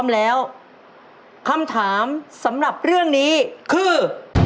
แล้วคำถามสำหรับเรื่องนี้คือ